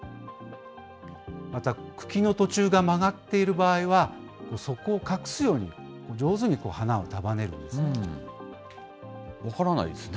また、茎の途中が曲がっている場合は、そこを隠すように、上手に花を束分からないですね。